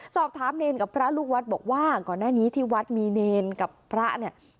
สอบถามเนรกับพระลูกวัดบอกว่าก่อนหน้านี้ที่วัดมีเนรกับพระเนี่ย